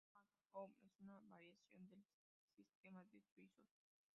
El sistema Mac-Mahon es una variación del sistema de suizos.